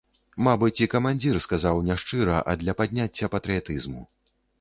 Мабыць, і камандзір сказаў не шчыра, а для падняцця патрыятызму.